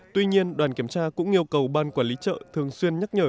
tuy nhiên đoàn kiểm tra cũng yêu cầu ban quản lý chợ thường xuyên nhắc nhở